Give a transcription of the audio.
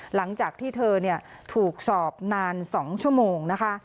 หลังจากที่เธอถูกสอบนาน๒ชั่วโมงนะคะ